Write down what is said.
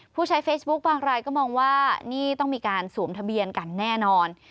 ผู้ใช้เฟซบุ๊คบางรายก็มองว่านี่ต้องมีการสวมทะเบียนกันแน่นอน